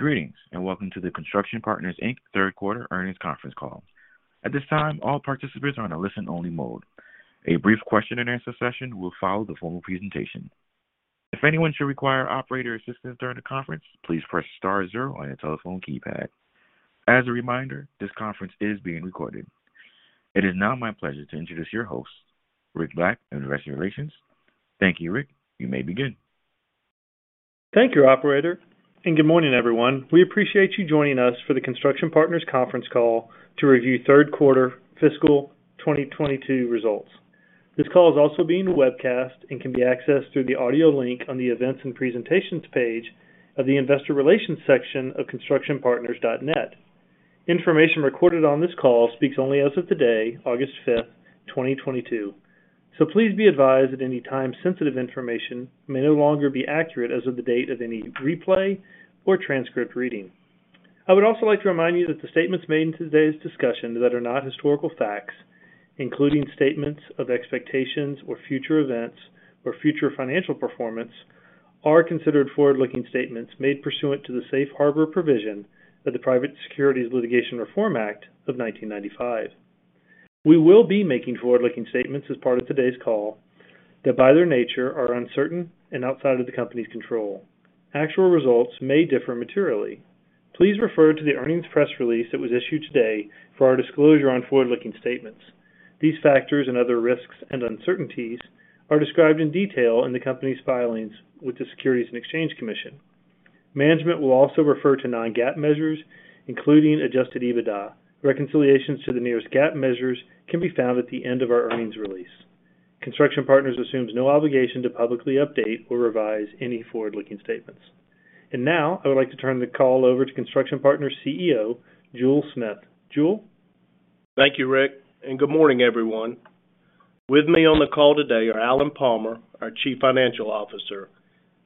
Greetings, and welcome to the Construction Partners Inc. Third Quarter Earnings Conference Call. At this time, all participants are on a listen-only mode. A brief Q&A session will follow the formal presentation. If anyone should require operator assistance during the conference, please press star zero on your telephone keypad. As a reminder, this conference is being recorded. It is now my pleasure to introduce your host, Rick Black, Investor Relations. Thank you, Rick. You may begin. Thank you, operator, and good morning, everyone. We appreciate you joining us for the Construction Partners conference call to review third quarter fiscal 2022 results. This call is also being webcast and can be accessed through the audio link on the Events and Presentations page of the Investor Relations section of constructionpartners.net. Information recorded on this call speaks only as of today, August 5, 2022. Please be advised that any time-sensitive information may no longer be accurate as of the date of any replay or transcript reading. I would also like to remind you that the statements made in today's discussion that are not historical facts, including statements of expectations or future events or future financial performance, are considered forward-looking statements made pursuant to the Safe Harbor provision of the Private Securities Litigation Reform Act of 1995. We will be making forward-looking statements as part of today's call that, by their nature, are uncertain and outside of the company's control. Actual results may differ materially. Please refer to the earnings press release that was issued today for our disclosure on forward-looking statements. These factors and other risks and uncertainties are described in detail in the company's filings with the Securities and Exchange Commission. Management will also refer to non-GAAP measures, including adjusted EBITDA. Reconciliations to the nearest GAAP measures can be found at the end of our earnings release. Construction Partners assumes no obligation to publicly update or revise any forward-looking statements. Now, I would like to turn the call over to Construction Partners' CEO, Jule Smith. Jule? Thank you, Rick, and good morning, everyone. With me on the call today are Alan Palmer, our Chief Financial Officer,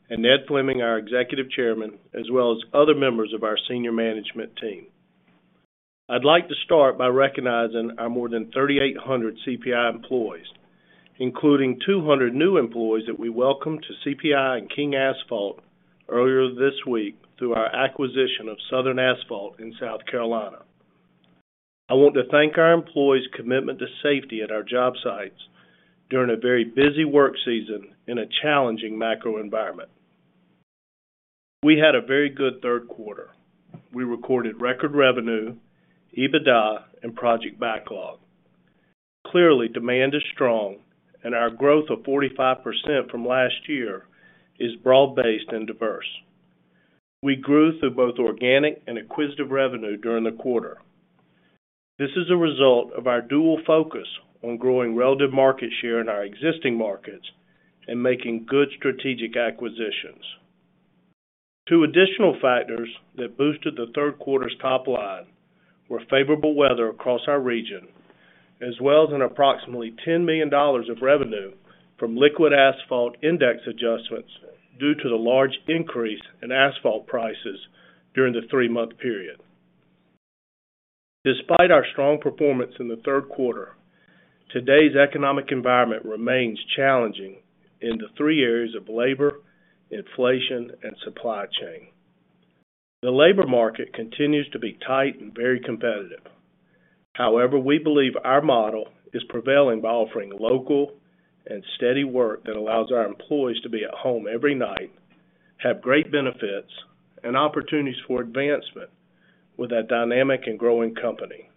and Ned Fleming, our Executive Chairman, as well as other members of our senior management team. I'd like to start by recognizing our more than 3,800 CPI employees, including 200 new employees that we welcomed to CPI and King Asphalt earlier this week through our acquisition of Southern Asphalt in South Carolina. I want to thank our employees' commitment to safety at our job sites during a very busy work season in a challenging macro environment. We had a very good third quarter. We recorded record revenue, EBITDA, and project backlog. Clearly, demand is strong and our growth of 45% from last year is broad-based and diverse. We grew through both organic and acquisitive revenue during the quarter. This is a result of our dual focus on growing relative market share in our existing markets and making good strategic acquisitions. Two additional factors that boosted the third quarter's top line were favorable weather across our region, as well as approximately $10 million of revenue from liquid asphalt index adjustments due to the large increase in asphalt prices during the three-month period. Despite our strong performance in the third quarter, today's economic environment remains challenging in the three areas of labor, inflation, and supply chain. The labor market continues to be tight and very competitive. However, we believe our model is prevailing by offering local and steady work that allows our employees to be at home every night, have great benefits and opportunities for advancement with a dynamic and growing company.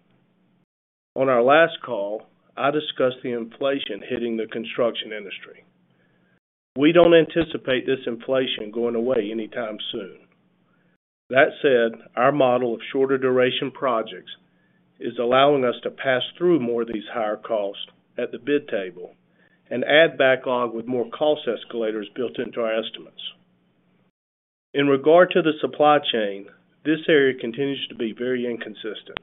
On our last call, I discussed the inflation hitting the construction industry. We don't anticipate this inflation going away anytime soon. That said, our model of shorter duration projects is allowing us to pass through more of these higher costs at the bid table and add backlog with more cost escalators built into our estimates. In regard to the supply chain, this area continues to be very inconsistent,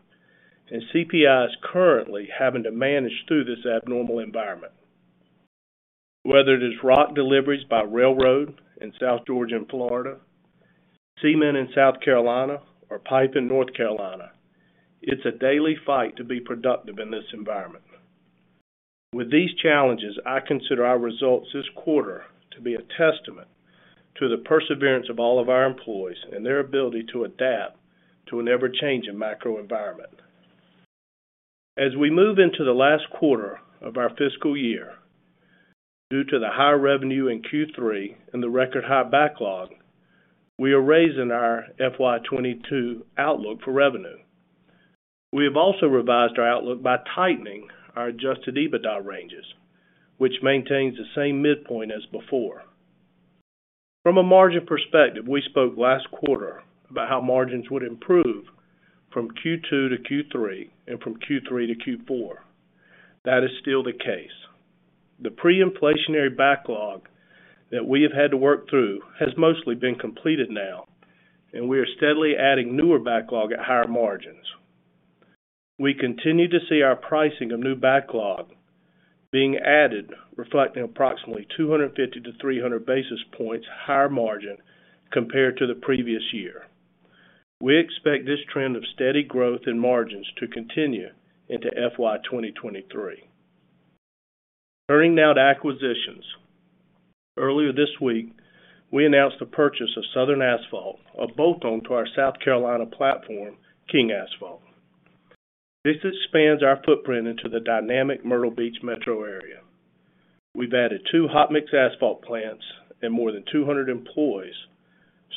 and CPI is currently having to manage through this abnormal environment. Whether it is rock deliveries by railroad in South Georgia and Florida, cement in South Carolina, or pipe in North Carolina, it's a daily fight to be productive in this environment. With these challenges, I consider our results this quarter to be a testament to the perseverance of all of our employees and their ability to adapt to an ever-changing macro environment. As we move into the last quarter of our fiscal year, due to the high revenue in Q3 and the record high backlog, we are raising our FY 2022 outlook for revenue. We have also revised our outlook by tightening our adjusted EBITDA ranges, which maintains the same midpoint as before. From a margin perspective, we spoke last quarter about how margins would improve from Q2 to Q3 and from Q3 to Q4. That is still the case. The pre-inflationary backlog that we have had to work through has mostly been completed now, and we are steadily adding newer backlog at higher margins. We continue to see our pricing of new backlog being added, reflecting approximately 250-300 basis points higher margin compared to the previous year. We expect this trend of steady growth in margins to continue into FY 2023. Turning now to acquisitions. Earlier this week, we announced the purchase of Southern Asphalt, a bolt-on to our South Carolina platform, King Asphalt. This expands our footprint into the dynamic Myrtle Beach metro area. We've added two hot mix asphalt plants and more than 200 employees,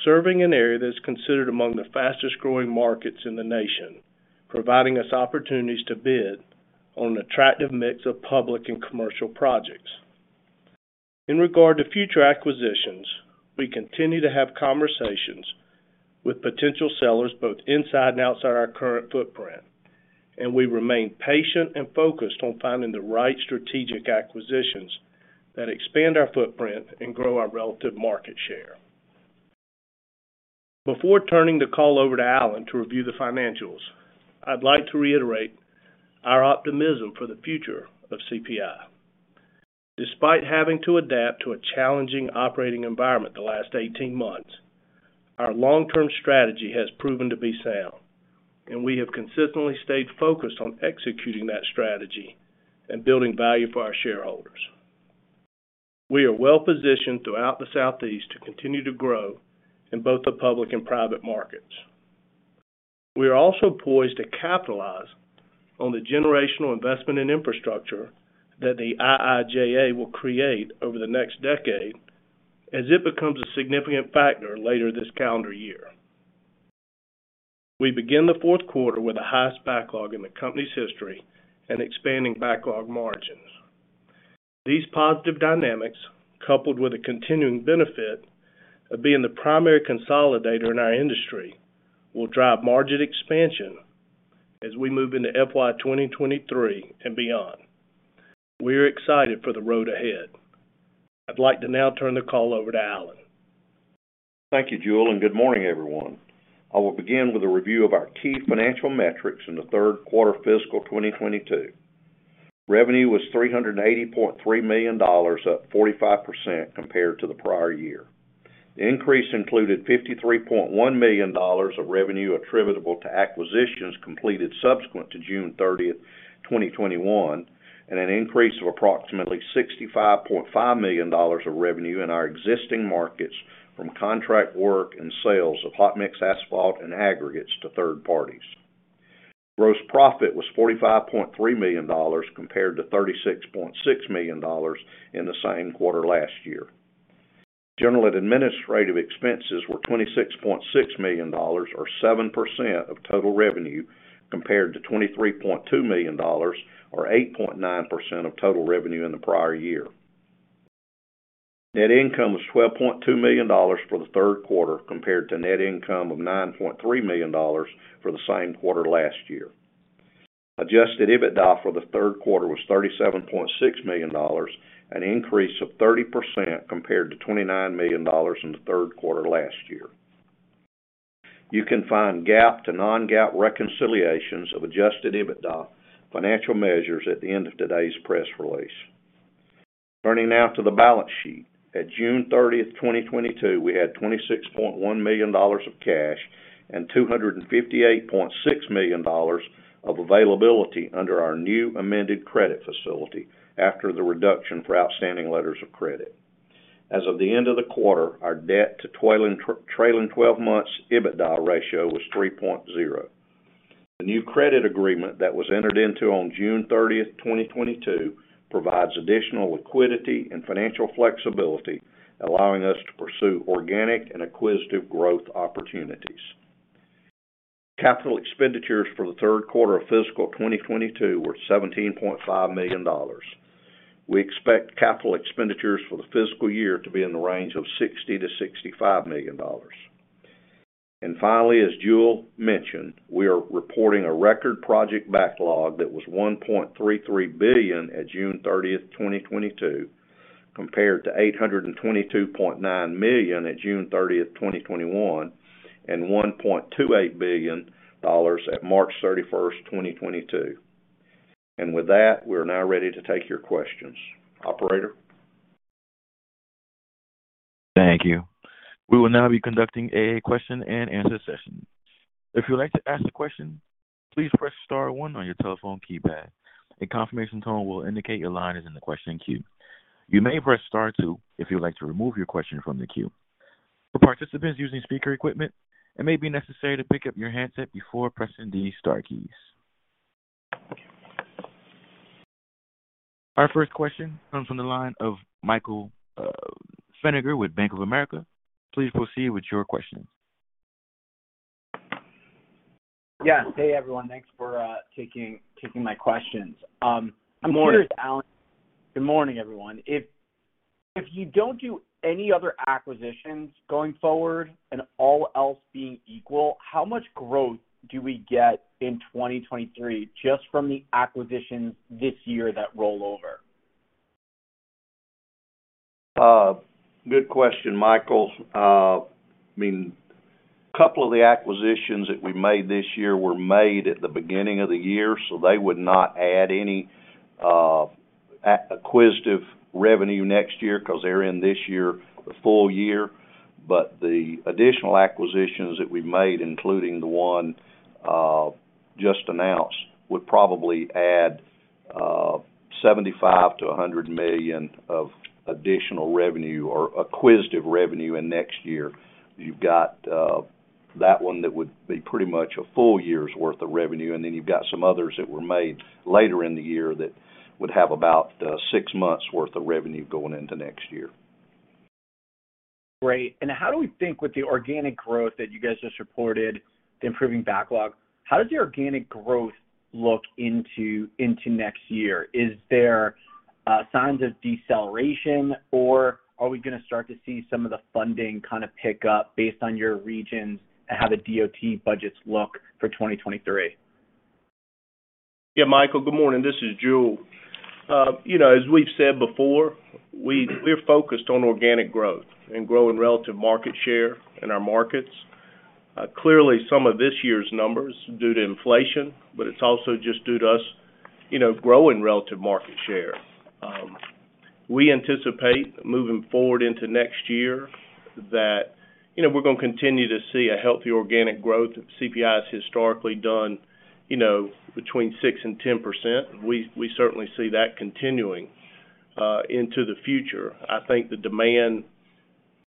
serving an area that's considered among the fastest-growing markets in the nation, providing us opportunities to bid on an attractive mix of public and commercial projects. In regard to future acquisitions, we continue to have conversations with potential sellers, both inside and outside our current footprint, and we remain patient and focused on finding the right strategic acquisitions that expand our footprint and grow our relative market share. Before turning the call over to Alan to review the financials, I'd like to reiterate our optimism for the future of CPI. Despite having to adapt to a challenging operating environment the last 18 months, our long-term strategy has proven to be sound, and we have consistently stayed focused on executing that strategy and building value for our shareholders. We are well-positioned throughout the Southeast to continue to grow in both the public and private markets. We are also poised to capitalize on the generational investment in infrastructure that the IIJA will create over the next decade as it becomes a significant factor later this calendar year. We begin the fourth quarter with the highest backlog in the company's history and expanding backlog margins. These positive dynamics, coupled with the continuing benefit of being the primary consolidator in our industry, will drive margin expansion as we move into FY 2023 and beyond. We are excited for the road ahead. I'd like to now turn the call over to Alan. Thank you, Jule, and good morning, everyone. I will begin with a review of our key financial metrics in the third quarter of fiscal 2022. Revenue was $380.3 million, up 45% compared to the prior year. The increase included $53.1 million of revenue attributable to acquisitions completed subsequent to June 30, 2021, and an increase of approximately $65.5 million of revenue in our existing markets from contract work and sales of hot mix asphalt and aggregates to third parties. Gross profit was $45.3 million compared to $36.6 million in the same quarter last year. General and administrative expenses were $26.6 million or 7% of total revenue, compared to $23.2 million or 8.9% of total revenue in the prior year. Net income was $12.2 million for the third quarter, compared to net income of $9.3 million for the same quarter last year. Adjusted EBITDA for the third quarter was $37.6 million, an increase of 30% compared to $29 million in the third quarter last year. You can find GAAP to non-GAAP reconciliations of adjusted EBITDA financial measures at the end of today's press release. Turning now to the balance sheet. At June 30, 2022, we had $26.1 million of cash and $258.6 million of availability under our new amended credit facility after the reduction for outstanding letters of credit. As of the end of the quarter, our debt to trailing 12 months EBITDA ratio was 3.0. The new credit agreement that was entered into on June 30, 2022, provides additional liquidity and financial flexibility, allowing us to pursue organic and acquisitive growth opportunities. Capital expenditures for the third quarter of fiscal 2022 were $17.5 million. We expect capital expenditures for the fiscal year to be in the range of $60 million-$65 million. Finally, as Jule mentioned, we are reporting a record project backlog that was $1.33 billion at June 30, 2022, compared to $822.9 million at June 30, 2021, and $1.28 billion at March 31, 2022. With that, we are now ready to take your questions. Operator? Thank you. We will now be conducting a Q&A session. If you would like to ask a question, please press star one on your telephone keypad. A confirmation tone will indicate your line is in the question queue. You may press star two if you would like to remove your question from the queue. For participants using speaker equipment, it may be necessary to pick up your handset before pressing the star keys. Our first question comes from the line of Michael Feniger with Bank of America. Please proceed with your question. Yes. Hey, everyone. Thanks for taking my questions. I'm curious, Alan. Good morning, everyone. If you don't do any other acquisitions going forward and all else being equal, how much growth do we get in 2023 just from the acquisitions this year that roll over? Good question, Michael. I mean, a couple of the acquisitions that we made this year were made at the beginning of the year, so they would not add any acquisitive revenue next year because they're in this year the full year. The additional acquisitions that we've made, including the one just announced, would probably add $75 million-$100 million of additional revenue or acquisitive revenue in next year. You've got that one that would be pretty much a full year's worth of revenue, and then you've got some others that were made later in the year that would have about six months worth of revenue going into next year. Great. How do we think with the organic growth that you guys just reported, the improving backlog, how does the organic growth look into next year? Is there signs of deceleration, or are we gonna start to see some of the funding kinda pick up based on your regions and how the DOT budgets look for 2023? Yeah, Michael, good morning. This is Jule. You know, as we've said before, we're focused on organic growth and growing relative market share in our markets. Clearly some of this year's numbers due to inflation, but it's also just due to us, you know, growing relative market share. We anticipate moving forward into next year that, you know, we're gonna continue to see a healthy organic growth. CPI has historically done, you know, between 6% and 10%. We certainly see that continuing into the future. I think the demand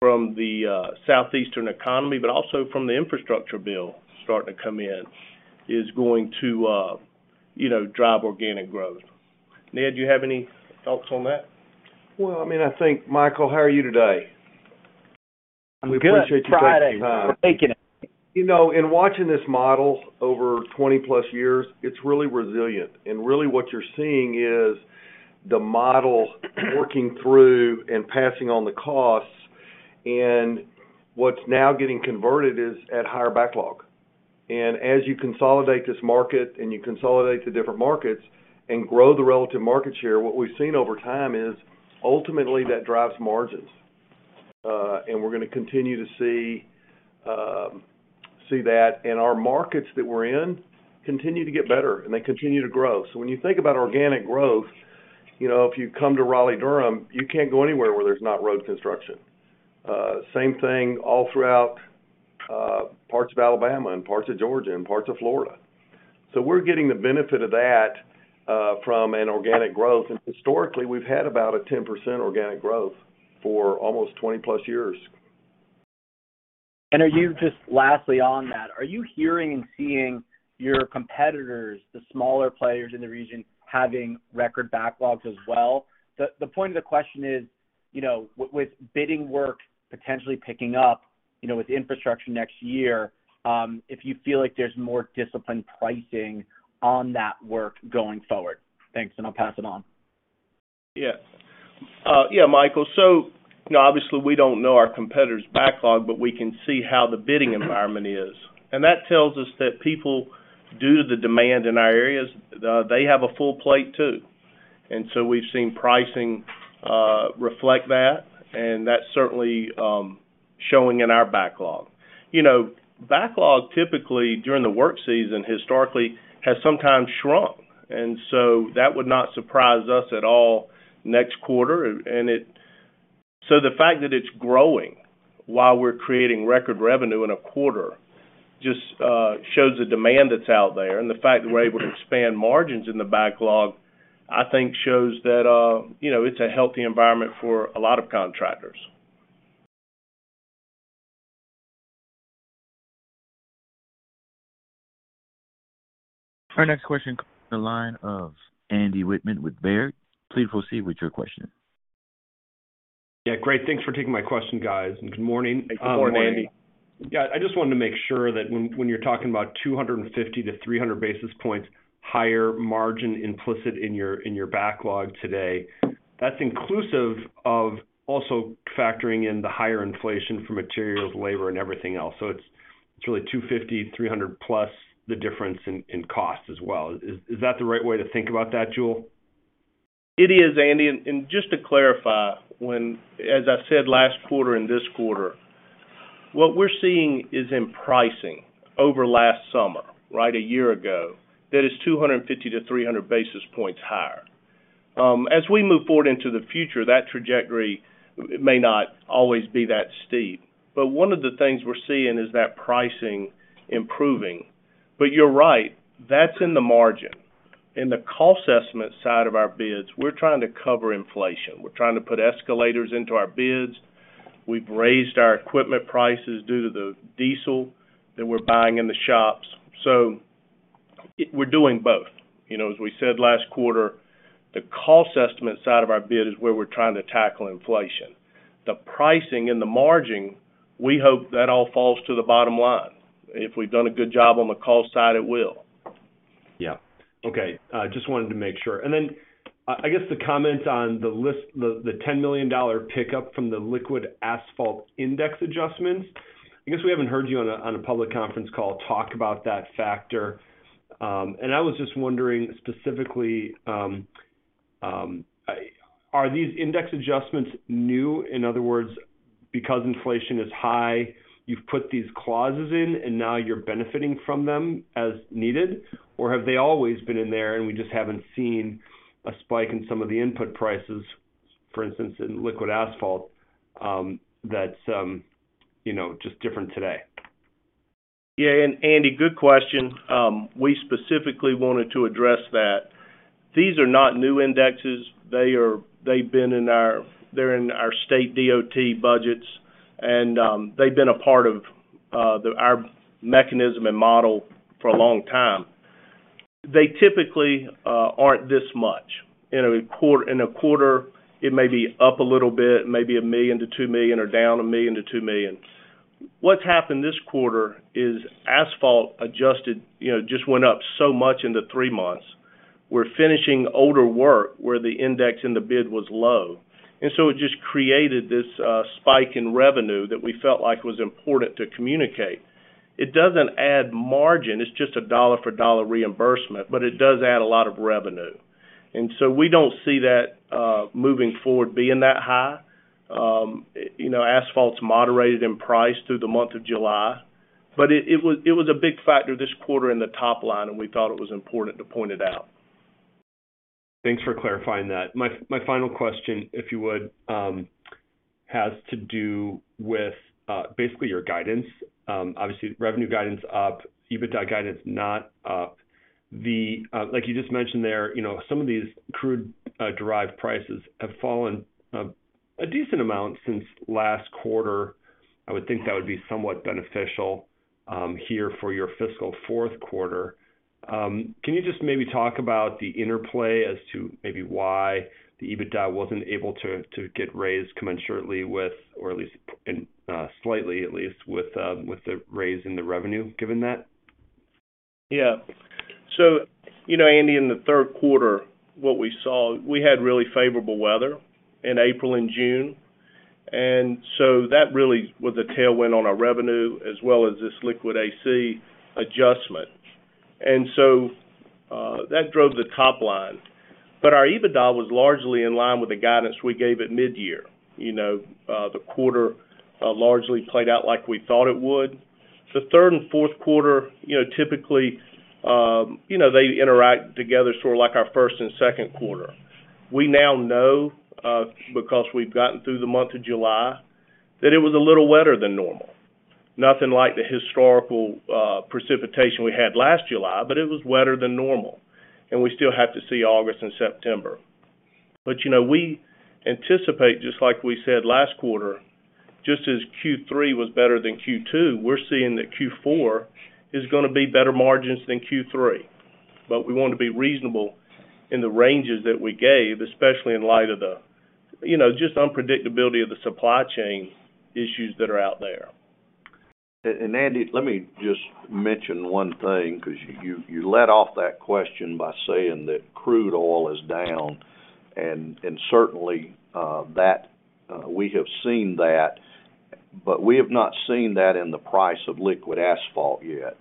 from the southeastern economy, but also from the infrastructure bill starting to come in, is going to, you know, drive organic growth. Ned, do you have any thoughts on that? Well, I mean, I think, Michael, how are you today? I'm good. We appreciate you taking the time. Making it. You know, in watching this model over 20-plus years, it's really resilient. Really what you're seeing is the model working through and passing on the costs, and what's now getting converted is at higher backlog. As you consolidate this market and you consolidate the different markets and grow the relative market share, what we've seen over time is ultimately that drives margins. We're gonna continue to see that. Our markets that we're in continue to get better, and they continue to grow. When you think about organic growth, you know, if you come to Raleigh-Durham, you can't go anywhere where there's not road construction. Same thing all throughout, parts of Alabama and parts of Georgia and parts of Florida. We're getting the benefit of that, from an organic growth. Historically, we've had about a 10% organic growth for almost 20+ years. Lastly on that, are you hearing and seeing your competitors, the smaller players in the region, having record backlogs as well? The point of the question is, you know, with bidding work potentially picking up, you know, with infrastructure next year, if you feel like there's more disciplined pricing on that work going forward. Thanks, and I'll pass it on. Yeah. Yeah, Michael. You know, obviously we don't know our competitors' backlog, but we can see how the bidding environment is. That tells us that people, due to the demand in our areas, they have a full plate too. We've seen pricing reflect that, and that's certainly showing in our backlog. You know, backlog typically during the work season historically has sometimes shrunk, and that would not surprise us at all next quarter. The fact that it's growing while we're creating record revenue in a quarter just shows the demand that's out there. The fact that we're able to expand margins in the backlog, I think shows that, you know, it's a healthy environment for a lot of contractors. Our next question comes from the line of Andy Wittmann with Baird. Please proceed with your question. Yeah, great. Thanks for taking my question, guys, and good morning. Good morning. Good morning Andy. Yeah, I just wanted to make sure that when you're talking about 250 to 300 basis points higher margin implicit in your backlog today, that's inclusive of also factoring in the higher inflation for materials, labor, and everything else. It's really 250, 300 plus the difference in cost as well. Is that the right way to think about that, Jule? It is, Andy. Just to clarify, as I said last quarter and this quarter, what we're seeing is in pricing over last summer, right? A year ago, that is 250-300 basis points higher. As we move forward into the future, that trajectory may not always be that steep. One of the things we're seeing is that pricing improving. You're right, that's in the margin. In the cost estimate side of our bids, we're trying to cover inflation. We're trying to put escalators into our bids. We've raised our equipment prices due to the diesel that we're buying in the shops. We're doing both. You know, as we said last quarter, the cost estimate side of our bid is where we're trying to tackle inflation. The pricing and the margin, we hope that all falls to the bottom line. If we've done a good job on the cost side, it will. Yeah. Okay. Just wanted to make sure. I guess the comment on the latest, the $10 million pickup from the liquid asphalt index adjustments, I guess we haven't heard you on a public conference call talk about that factor. I was just wondering specifically, are these index adjustments new? In other words, because inflation is high, you've put these clauses in and now you're benefiting from them as needed? Or have they always been in there, and we just haven't seen a spike in some of the input prices, for instance, in liquid asphalt, that's, you know, just different today? Yeah. Andy, good question. We specifically wanted to address that. These are not new indexes. They're in our state DOT budgets, and they've been a part of our mechanism and model for a long time. They typically aren't this much. In a quarter, it may be up a little bit, maybe $1 million-$2 million or down $1 million-$2 million. What's happened this quarter is asphalt adjusted, you know, just went up so much in the three months. We're finishing older work where the index in the bid was low. It just created this spike in revenue that we felt like was important to communicate. It doesn't add margin. It's just a dollar for dollar reimbursement, but it does add a lot of revenue. We don't see that moving forward being that high. You know, asphalt's moderated in price through the month of July, but it was a big factor this quarter in the top line, and we thought it was important to point it out. Thanks for clarifying that. My final question, if you would, has to do with basically your guidance, obviously, revenue guidance up, EBITDA guidance not up. Like you just mentioned there, you know, some of these crude derived prices have fallen a decent amount since last quarter. I would think that would be somewhat beneficial here for your fiscal fourth quarter. Can you just maybe talk about the interplay as to maybe why the EBITDA wasn't able to get raised commensurately with or at least slightly at least with the raise in the revenue given that? Yeah. You know, Andy, in the third quarter, what we saw, we had really favorable weather in April and June. That really was a tailwind on our revenue as well as this liquid AC adjustment. That drove the top line. Our EBITDA was largely in line with the guidance we gave at mid-year. You know, the quarter largely played out like we thought it would. The third and fourth quarter, you know, typically, they interact together sort of like our first and second quarter. We now know, because we've gotten through the month of July that it was a little wetter than normal. Nothing like the historical precipitation we had last July, but it was wetter than normal. We still have to see August and September. You know, we anticipate, just like we said last quarter, just as Q3 was better than Q2, we're seeing that Q4 is gonna be better margins than Q3. We want to be reasonable in the ranges that we gave, especially in light of the, you know, just unpredictability of the supply chain issues that are out there. Andy, let me just mention one thing because you led off that question by saying that crude oil is down, and certainly that we have seen that, but we have not seen that in the price of liquid asphalt yet.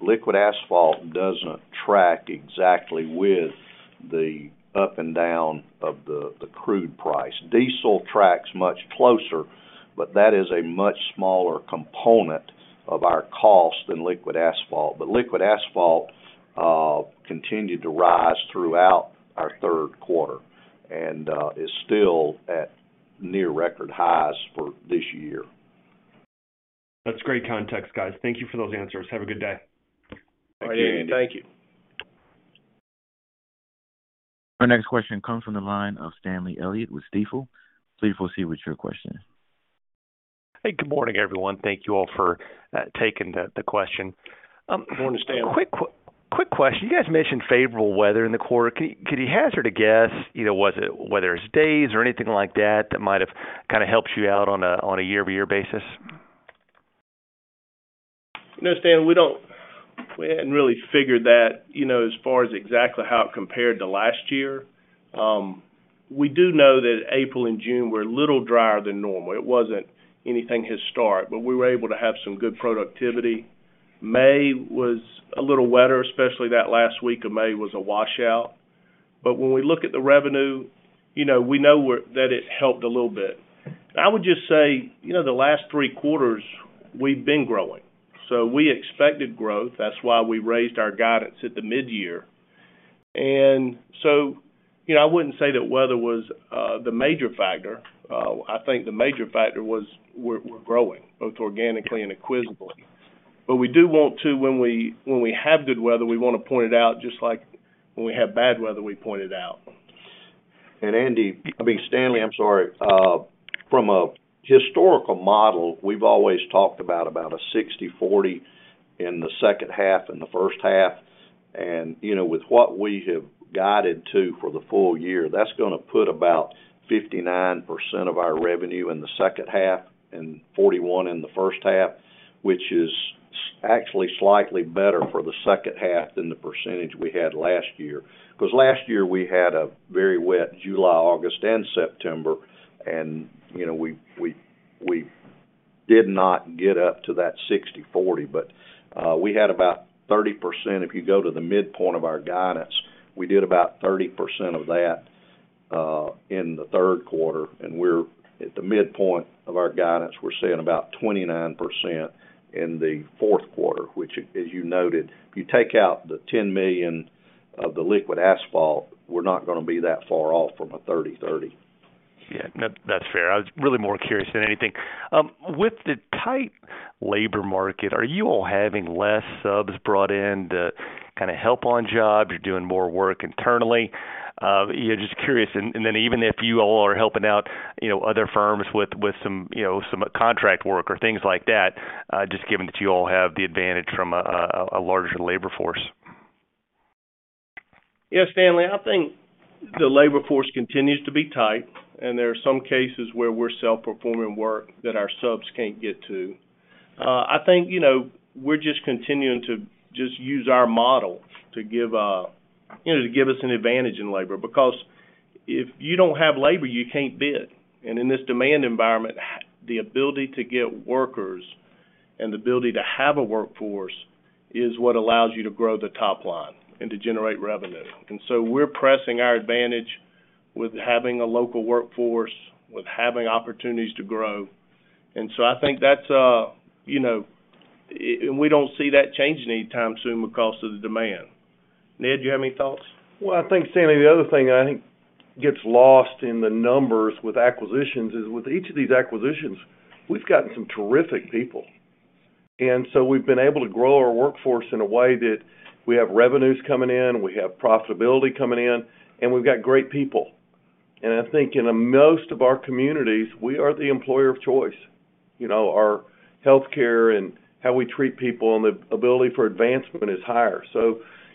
Liquid asphalt doesn't track exactly with the up and down of the crude price. Diesel tracks much closer, but that is a much smaller component of our cost than liquid asphalt. Liquid asphalt continued to rise throughout our third quarter and is still at near record highs for this year. That's great context, guys. Thank you for those answers. Have a good day. Thank you Our next question comes from the line of Stanley Elliott with Stifel. Stifel, see what your question is. Hey, good morning, everyone. Thank you all for taking the question. Morning, Stan. Quick question. You guys mentioned favorable weather in the quarter. Can you hazard a guess, you know, was it whether it's days or anything like that that might have kinda helped you out on a year-over-year basis? No, Stan, we hadn't really figured that, you know, as far as exactly how it compared to last year. We do know that April and June were a little drier than normal. It wasn't anything historic, but we were able to have some good productivity. May was a little wetter, especially that last week of May was a washout. When we look at the revenue, you know, we know that it helped a little bit. I would just say, you know, the last three quarters we've been growing. We expected growth. That's why we raised our guidance at the mid-year. I wouldn't say that weather was the major factor. I think the major factor was we're growing both organically and acquisitively. When we have good weather, we wanna point it out, just like when we have bad weather, we point it out. Andy, I mean, Stanley, I'm sorry. From a historical model, we've always talked about a 60/40 in the second half and the first half. You know, with what we have guided to for the full year, that's gonna put about 59% of our revenue in the second half and 41% in the first half, which is actually slightly better for the second half than the percentage we had last year. 'Cause last year, we had a very wet July, August, and September. You know, we did not get up to that 60/40, but we had about 30%. If you go to the midpoint of our guidance, we did about 30% of that in the third quarter, and we're at the midpoint of our guidance. We're seeing about 29% in the fourth quarter, which as you noted, if you take out the $10 million of the liquid asphalt, we're not gonna be that far off from a 30/30. Yeah, that's fair. I was really more curious than anything. With the tight labor market, are you all having less subs brought in to kinda help on jobs? You're doing more work internally? Yeah, just curious. Even if you all are helping out, you know, other firms with some, you know, some contract work or things like that, just given that you all have the advantage from a larger labor force. Yeah, Stanley, I think the labor force continues to be tight, and there are some cases where we're self-performing work that our subs can't get to. I think, you know, we're just continuing to just use our model to give, you know, to give us an advantage in labor. Because if you don't have labor, you can't bid. In this demand environment, the ability to get workers and the ability to have a workforce is what allows you to grow the top line and to generate revenue. We're pressing our advantage with having a local workforce, with having opportunities to grow. I think that's, you know. We don't see that changing anytime soon because of the demand. Ned, do you have any thoughts? Well, I think, Stanley, the other thing that I think gets lost in the numbers with acquisitions is with each of these acquisitions, we've gotten some terrific people. We've been able to grow our workforce in a way that we have revenues coming in, we have profitability coming in, and we've got great people. I think in most of our communities, we are the employer of choice. You know, our healthcare and how we treat people and the ability for advancement is higher.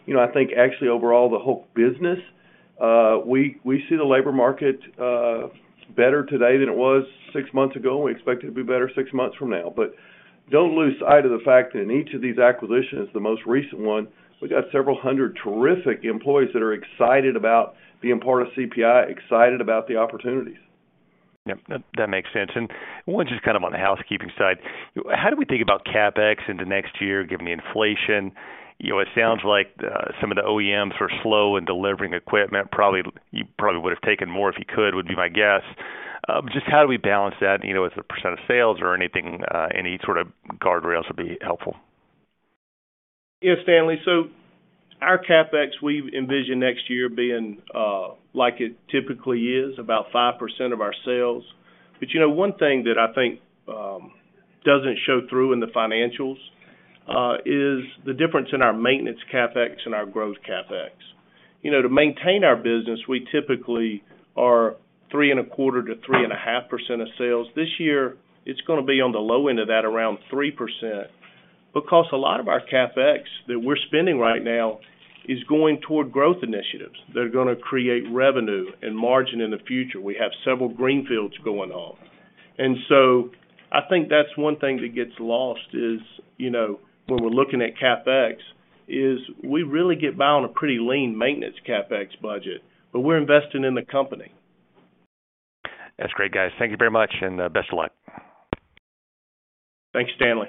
You know, I think actually overall, the whole business, we see the labor market better today than it was six months ago, and we expect it to be better six months from now. Don't lose sight of the fact that in each of these acquisitions, the most recent one, we got several hundred terrific employees that are excited about being part of CPI, excited about the opportunities. Yep. That makes sense. One just kind of on the housekeeping side, how do we think about CapEx into next year, given the inflation? You know, it sounds like some of the OEMs were slow in delivering equipment. You probably would've taken more if you could, would be my guess. Just how do we balance that, you know, as a percentage of sales or anything, any sort of guardrails would be helpful. Yeah, Stanley. Our CapEx, we envision next year being, like it typically is, about 5% of our sales. You know, one thing that I think, doesn't show through in the financials, is the difference in our maintenance CapEx and our growth CapEx. You know, to maintain our business, we typically are 3.25%-3.5% of sales. This year, it's gonna be on the low end of that, around 3%, because a lot of our CapEx that we're spending right now is going toward growth initiatives that are gonna create revenue and margin in the future. We have several greenfields going on. I think that's one thing that gets lost is, you know, when we're looking at CapEx, is we really get by on a pretty lean maintenance CapEx budget, but we're investing in the company. That's great, guys. Thank you very much, and best of luck. Thanks, Stanley.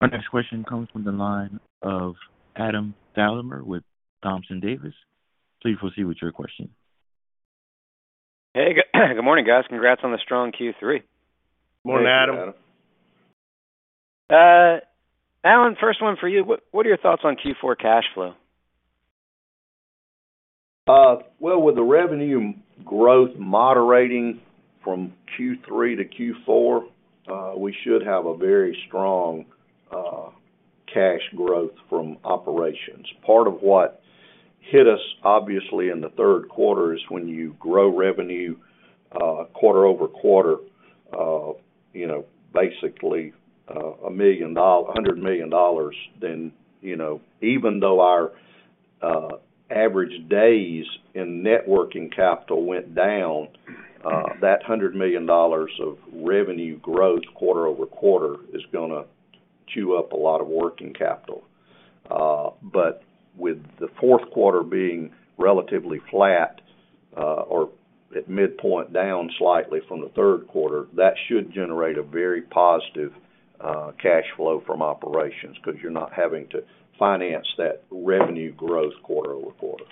Our next question comes from the line of Adam Thalhimer with Thompson Davis. Please proceed with your question. Hey, good morning, guys. Congrats on the strong Q3. Morning, Adam. Morning, Adam. Alan, first one for you. What are your thoughts on Q4 cash flow? Well, with the revenue growth moderating from Q3 to Q4, we should have a very strong cash flow from operations. Part of what hit us, obviously, in the third quarter is when you grow revenue quarter-over-quarter, you know, basically, $100 million, then, you know, even though our average days in net working capital went down, that $100 million of revenue growth quarter-over-quarter is gonna chew up a lot of working capital. With the fourth quarter being relatively flat, or at midpoint down slightly from the third quarter, that should generate a very positive cash flow from operations because you're not having to finance that revenue growth quarter-over-quarter.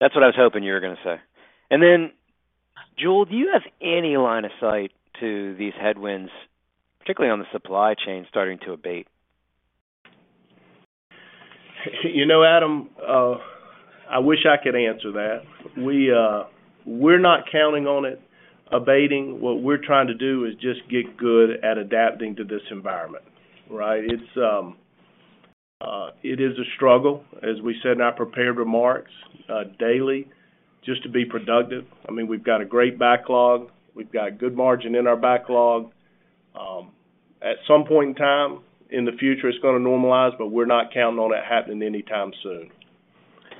That's what I was hoping you were gonna say. Jule, do you have any line of sight to these headwinds, particularly on the supply chain starting to abate? You know, Adam, I wish I could answer that. We're not counting on it abating. What we're trying to do is just get good at adapting to this environment, right? It is a struggle, as we said in our prepared remarks, daily just to be productive. I mean, we've got a great backlog. We've got good margin in our backlog. At some point in time in the future, it's gonna normalize, but we're not counting on that happening anytime soon.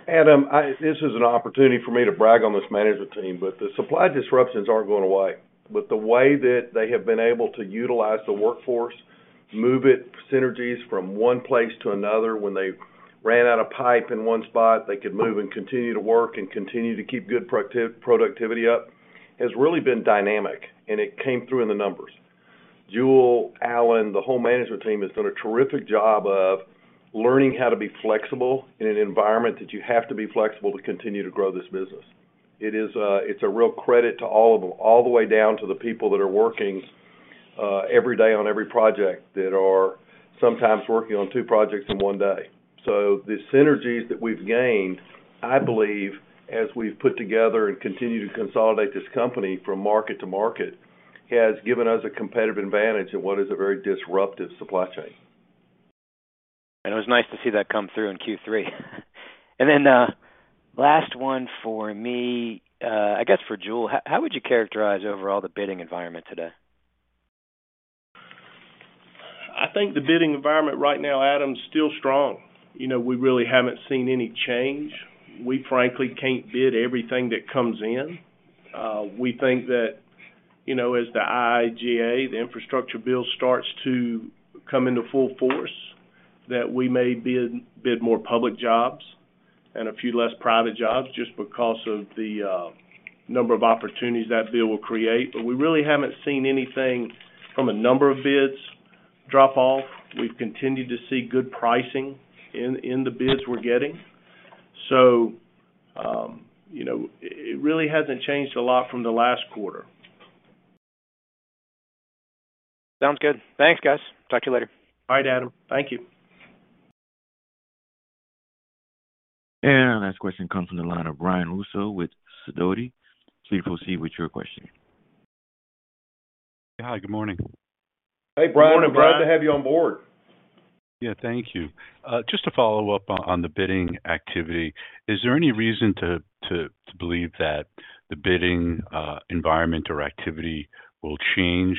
Adam, this is an opportunity for me to brag on this management team, but the supply disruptions aren't going away. The way that they have been able to utilize the workforce, move it, synergies from one place to another. When they ran out of pipe in one spot, they could move and continue to work and continue to keep good productivity up, has really been dynamic, and it came through in the numbers. Jule, Alan, the whole management team has done a terrific job of learning how to be flexible in an environment that you have to be flexible to continue to grow this business. It is, it's a real credit to all of them, all the way down to the people that are working. Every day on every project that we're sometimes working on two projects in one day. The synergies that we've gained, I believe, as we've put together and continue to consolidate this company from market to market, has given us a competitive advantage in what is a very disruptive supply chain. It was nice to see that come through in Q3. Then, last one for me, I guess for Jule, how would you characterize overall the bidding environment today? I think the bidding environment right now, Adam, is still strong. You know, we really haven't seen any change. We frankly can't bid everything that comes in. We think that, you know, as the IIJA, the infrastructure bill, starts to come into full force, that we may bid more public jobs and a few less private jobs just because of the number of opportunities that bill will create. We really haven't seen anything from a number of bids drop off. We've continued to see good pricing in the bids we're getting. It really hasn't changed a lot from the last quarter. Sounds good. Thanks, guys. Talk to you later. Bye, Adam. Thank you. Our next question comes from the line of Brian Russo with Sidoti. Please proceed with your question. Hi, good morning. Hey, Brian. Good morning, Brian. Glad to have you on board. Yeah. Thank you. Just to follow up on the bidding activity, is there any reason to believe that the bidding environment or activity will change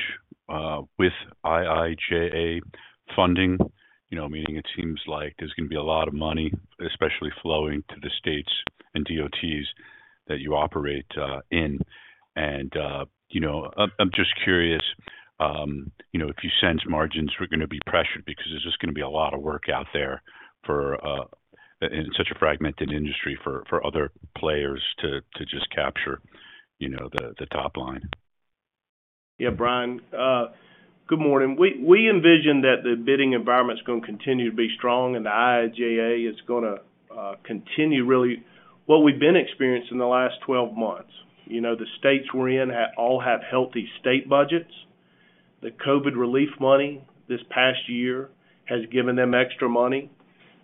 with IIJA funding? You know, meaning it seems like there's gonna be a lot of money, especially flowing to the states and DOTs that you operate in. You know, I'm just curious, you know, if you sense margins were gonna be pressured because there's just gonna be a lot of work out there for in such a fragmented industry for other players to just capture, you know, the top line. Yeah, Brian. Good morning. We envision that the bidding environment's gonna continue to be strong and the IIJA is gonna continue, really what we've been experiencing in the last 12 months. You know, the states we're in all have healthy state budgets. The COVID relief money this past year has given them extra money.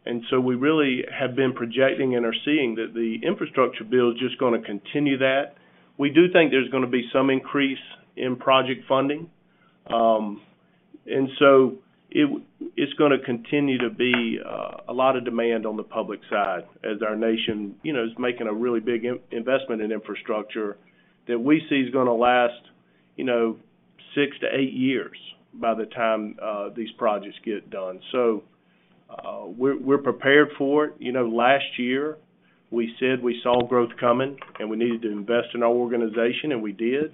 We really have been projecting and are seeing that the infrastructure bill is just gonna continue that. We do think there's gonna be some increase in project funding. It's gonna continue to be a lot of demand on the public side as our nation, you know, is making a really big investment in infrastructure that we see is gonna last, you know, six to eight years by the time these projects get done. We're prepared for it. You know, last year, we said we saw growth coming and we needed to invest in our organization, and we did.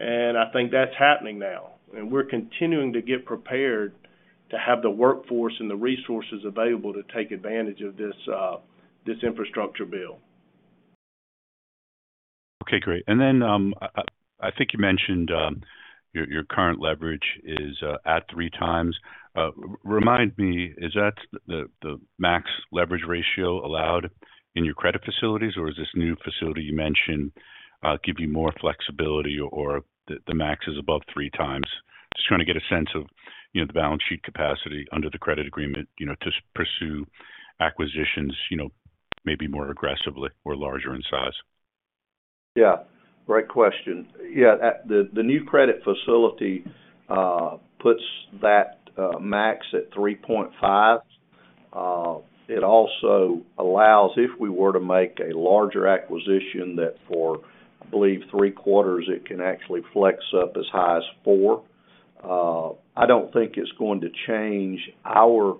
I think that's happening now. We're continuing to get prepared to have the workforce and the resources available to take advantage of this infrastructure bill. Okay, great. I think you mentioned your current leverage is at 3x. Remind me, is that the max leverage ratio allowed in your credit facilities, or is this new facility you mentioned give you more flexibility or the max is above 3x? Just trying to get a sense of, you know, the balance sheet capacity under the credit agreement, you know, to pursue acquisitions, you know, maybe more aggressively or larger in size. Yeah, great question. The new credit facility puts that max at 3.5. It also allows if we were to make a larger acquisition that for, I believe, three quarters, it can actually flex up as high as 4. I don't think it's going to change our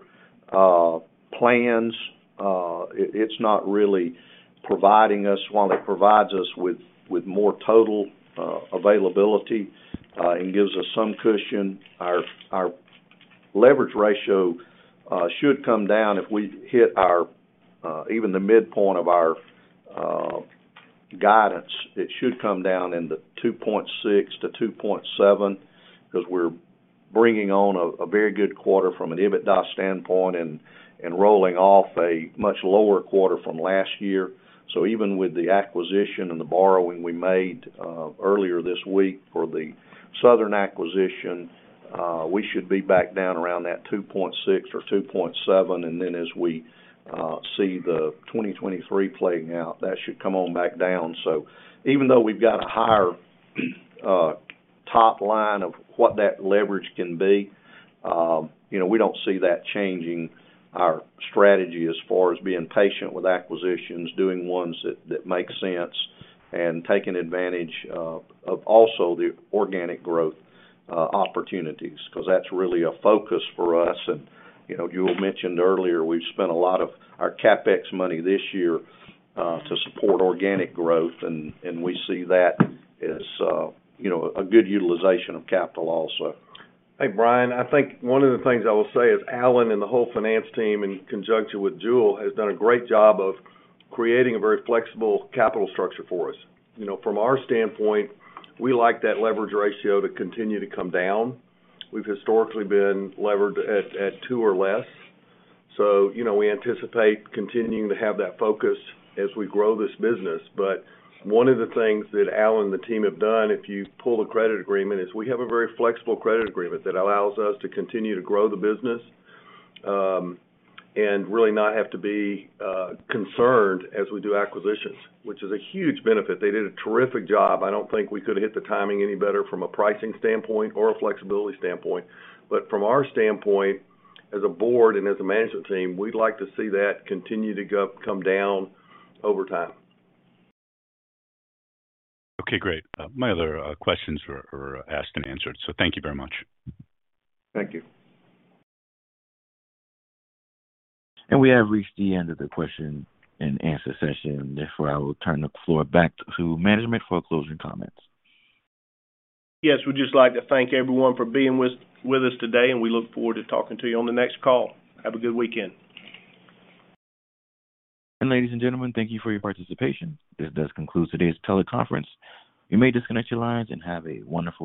plans. It's not really providing us. While it provides us with more total availability and gives us some cushion, our leverage ratio should come down if we hit even the midpoint of our guidance. It should come down into 2.6-2.7 because we're bringing on a very good quarter from an EBITDA standpoint and rolling off a much lower quarter from last year. Even with the acquisition and the borrowing we made earlier this week for the southern acquisition, we should be back down around that 2.6 or 2.7. Then as we see the 2023 playing out, that should come on back down. Even though we've got a higher top line of what that leverage can be, you know, we don't see that changing our strategy as far as being patient with acquisitions, doing ones that make sense, and taking advantage of also the organic growth opportunities, because that's really a focus for us. You know, Jule mentioned earlier, we've spent a lot of our CapEx money this year to support organic growth, and we see that as you know, a good utilization of capital also. Hey, Brian, I think one of the things I will say is Alan and the whole finance team in conjunction with Jule, has done a great job of creating a very flexible capital structure for us. You know, from our standpoint, we like that leverage ratio to continue to come down. We've historically been levered at two or less. You know, we anticipate continuing to have that focus as we grow this business. One of the things that Alan and the team have done, if you pull the credit agreement, is we have a very flexible credit agreement that allows us to continue to grow the business and really not have to be concerned as we do acquisitions, which is a huge benefit. They did a terrific job. I don't think we could hit the timing any better from a pricing standpoint or a flexibility standpoint. From our standpoint, as a board and as a management team, we'd like to see that continue to come down over time. Okay, great. My other questions were asked and answered. Thank you very much. Thank you. We have reached the end of the Q&A session. Therefore, I will turn the floor back to management for closing comments. Yes, we'd just like to thank everyone for being with us today, and we look forward to talking to you on the next call. Have a good weekend. Ladies and gentlemen, thank you for your participation. This does conclude today's teleconference. You may disconnect your lines and have a wonderful day.